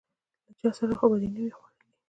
_له چا سره خو به دي نه و ي خوړلي؟